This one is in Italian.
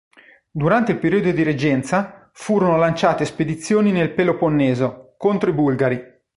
Durante il periodo di reggenza, furono lanciate spedizioni nel Peloponneso conto i Bulgari.